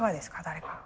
誰か。